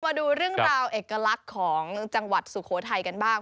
มาดูเรื่องราวเอกลักษณ์ของจังหวัดสุโขทัยกันบ้าง